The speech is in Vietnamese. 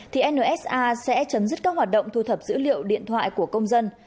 thì nsa sẽ chấm dứt các hoạt động thu thập dữ liệu điện thoại của công dân